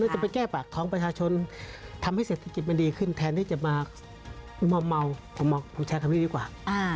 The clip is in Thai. จะไปแก้ปากท้องประชาชนทำให้เศรษฐกิจมันดีขึ้นแทนที่จะมาเมาผมใช้คำนี้ดีกว่า